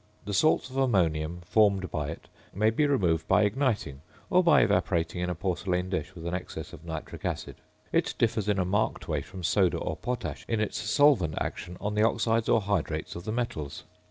The salts of ammonium formed by it may be removed by igniting, or by evaporating in a porcelain dish with an excess of nitric acid. It differs in a marked way from soda or potash in its solvent action on the oxides or hydrates of the metals.